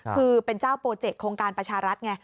คือเป็นเจ้าโปรเจกต์โครงการประชารัฐไง